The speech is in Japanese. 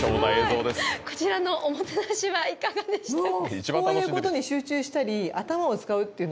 こちらのおもてなしはいかがでしたか？